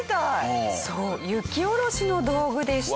そう雪下ろしの道具でした。